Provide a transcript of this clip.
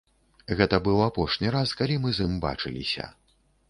Гэта быў апошні раз, калі мы з ім бачыліся.